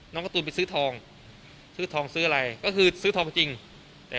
ส่วนหลักหลักเป็นเงินเป็นเงินเป็นเงินที่ที่โอนไปอ่ะ